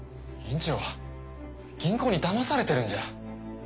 院長は銀行にだまされてるんじゃ。